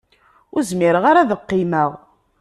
Ur zmireɣ ara ad qqimeɣ.